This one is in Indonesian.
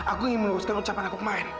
aku ingin meneruskan ucapan aku kemarin